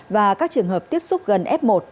và các trường hợp tiếp xúc gần f một